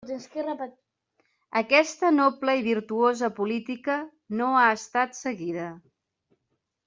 Aquesta noble i virtuosa política no ha estat seguida.